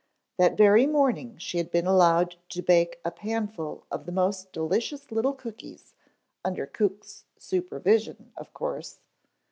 That very morning she had been allowed to bake a panful of the most delicious little cookies, under cook's supervision, of course.